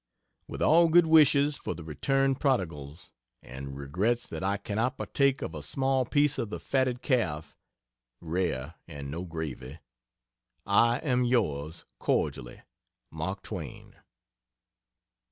With all good wishes for the Returned Prodigals, and regrets that I cannot partake of a small piece of the fatted calf (rare and no gravy,) I am yours, cordially, MARK TWAIN.